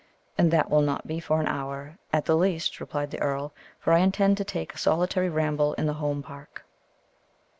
"And that will not be for an hour, at the least," replied the earl; "for I intend to take a solitary ramble in the Home Park."